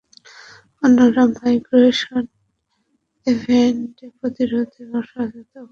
অন্যরা মাইগ্রেশন ইভেন্টে প্রতিরোধ এবং সহায়তা উভয়কে সামাজিক কর্মসূচী বৃদ্ধি করার আহ্বান জানিয়েছে।